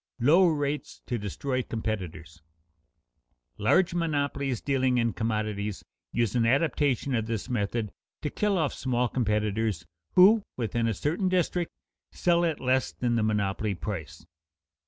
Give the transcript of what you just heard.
[Sidenote: Low rates to destroy competitors] Large monopolies dealing in commodities use an adaptation of this method to kill off small competitors who, within a certain district, sell at less than the monopoly price.